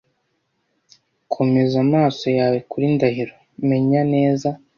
Komeza amaso yawe kuri Ndahiro . Menya neza